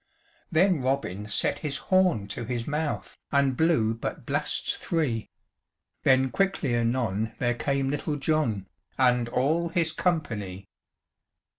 Then Robin set his horn to his mouth, And blew but blasts three; Then quickly anon there came Little John, And all his company.